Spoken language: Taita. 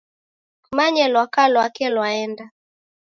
Kumanye lwaka lwake lwaenda.